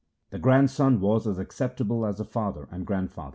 The grandson was as acceptable as the father and grandfather.